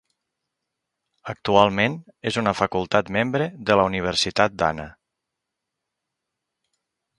Actualment és una facultat membre de la universitat d'Anna.